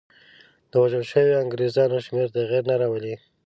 د وژل شویو انګرېزانو شمېر تغییر نه راولي.